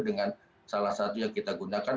dengan salah satu yang kita gunakan